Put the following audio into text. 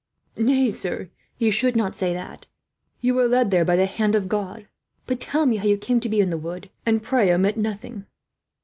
"Nay, sir, you should not say that; you were led there by the hand of God. But tell me how you came to be in the wood, and pray omit nothing."